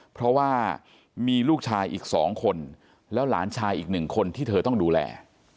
เพราะว่ามีลูกชายอีก๒คนแล้วหลานชายอีกหนึ่งคนที่เธอต้องดูแล